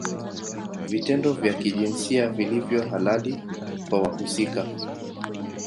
Vitendo vya kijinsia vilivyo halali kwa wahusika